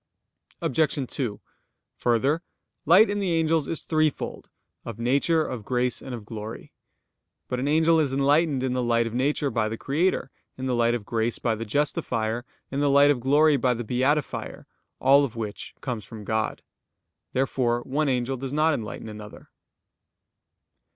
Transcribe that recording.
Obj. 2: Further, light in the angels is threefold; of nature, of grace, and of glory. But an angel is enlightened in the light of nature by the Creator; in the light of grace by the Justifier; in the light of glory by the Beatifier; all of which comes from God. Therefore one angel does not enlighten another.